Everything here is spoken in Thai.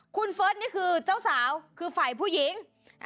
คุณเฟิร์สนี่คือเจ้าสาวคือฝ่ายผู้หญิง